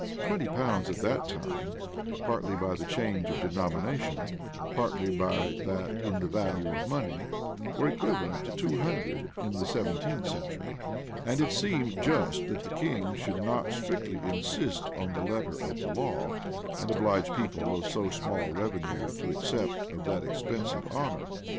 Twenty pounds at that time, partly by the change of denomination, partly by that in the value of money, were equivalent to two hundred in the seventeenth century; and it seemed just that the king should not strictly insist on the letter of the law, and oblige people of so small revenue to accept of that expensive honor.